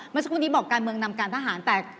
เมื่อสักครู่นี้บอกการเมืองนำการทหารแต่